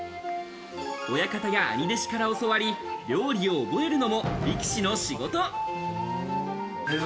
親方や兄弟子から教わり、料理を覚えるのも力士の仕事。